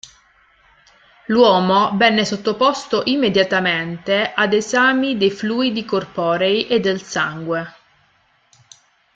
L'uomo venne sottoposto immediatamente ad esami dei fluidi corporei e del sangue.